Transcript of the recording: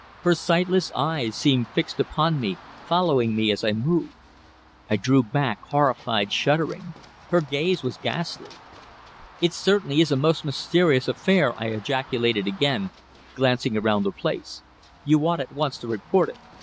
Her sightless eyes seemed fixed upon me, following me as I moved. I drew back horrified, shuddering. Her gaze was ghastly. "It certainly is a most mysterious affair," I ejaculated again, glancing around the place. "You ought at once to report it."